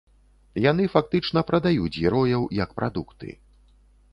Яны фактычна прадаюць герояў як прадукты.